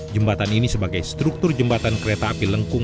jembatan ini sebagai struktur jembatan kereta api lengkung